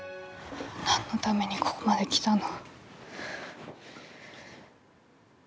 何のためにここまで来たの。